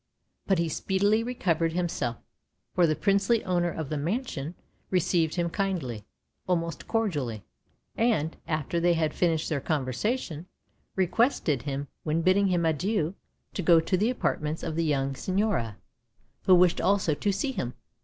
But he speedily recovered himself; for the princely owner of the mansion received him kindly, almost cordially, and, after they had finished their conversation, requested him, when bidding him adieu, to go to the apartments of the young Signora, who wished also to see him.